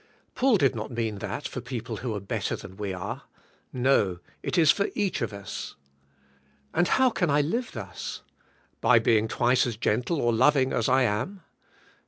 Paul did not mean that for people who are better than we are. No, it is for each of us. And how can I live thus? By being twice as gentle or loving as I am?